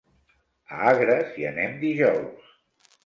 A Agres hi anem dijous.